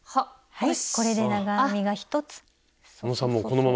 はい。